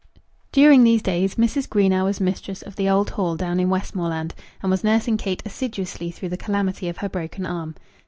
During these days Mrs. Greenow was mistress of the old Hall down in Westmoreland, and was nursing Kate assiduously through the calamity of her broken arm.